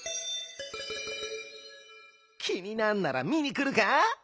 きになんならみにくるか？